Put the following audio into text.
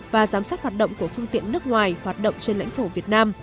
và giám sát hoạt động của phương tiện nước ngoài hoạt động trên lãnh thổ việt nam